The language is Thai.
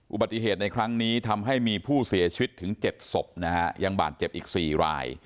อุบัติเหตุในครั้งนี้ทำให้มีผู้เสียชีวิตถึง๗ศพนะฮะยังบาดเจ็บอีก๔ราย